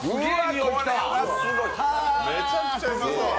めちゃくちゃうまそう。